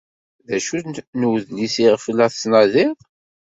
D acu n udlis iɣef la tettnadiḍ?